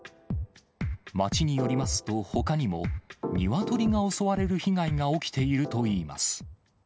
町によりますと、ほかにもニワトリが襲われる被害が起きているといいます。